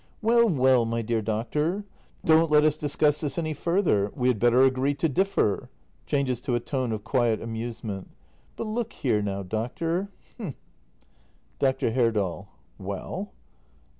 ] Well, well, my dear doctor — don't let us discuss this any further. We had better agree to differ. [Changes to a tone of quiet amusement.] But look here now, doctor — h'm Dr. Herdal. Well?